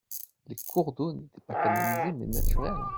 Les cours d’eaux n’étaient pas canalisés mais naturels.